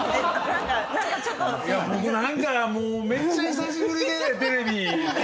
何かもうめっちゃ久しぶりでテレビ。